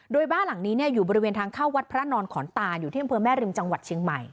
โดยบ้านหลังนี้อยู่บริเวณทางเข้าวัดพระนอนขอนตานอยู่ที่อำเภอแม่ริมจังหวัดเชียงใหม่